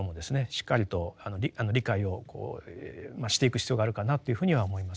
しっかりと理解をしていく必要があるかなというふうには思います。